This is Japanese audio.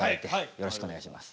よろしくお願いします。